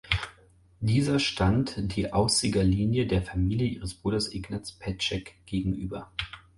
Dieser stand die „Aussiger Linie“ der Familie ihres Bruders Ignaz Petschek gegenüber.